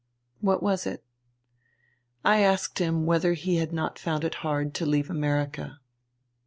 "What was it?" "I asked him whether he had not found it hard to leave America."